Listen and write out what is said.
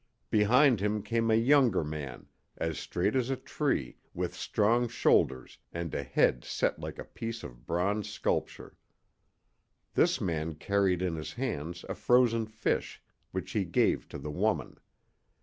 Behind him came a younger man, as straight as a tree, with strong shoulders and a head set like a piece of bronze sculpture. This man carried in his hand a frozen fish, which he gave to the woman.